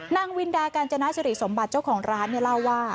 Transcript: นางวินดากาญจนาสิริสมบัติเจ้าของร้านเนี่ยเล่าว่า